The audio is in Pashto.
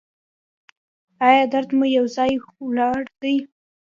ایا درد مو یو ځای ولاړ دی؟